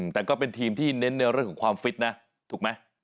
แต่ก็เป็นทีมที่เน้นในเรื่องของความฟิตนะถูกไหม